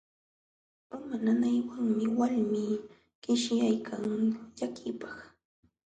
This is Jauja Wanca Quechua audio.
Uma nanaywanmi walmii qishyaykan llakiypaq.